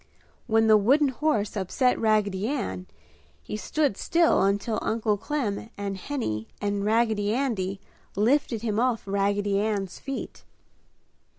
When the wooden horse upset Raggedy Ann, he stood still until Uncle Clem and Henny and Raggedy Andy lifted him off Raggedy Ann's feet.